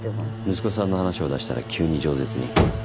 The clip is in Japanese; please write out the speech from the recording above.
息子さんの話を出したら急にじょう舌に。